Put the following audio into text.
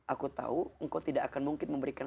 aku tahu engkau tidak akan mungkin memberikan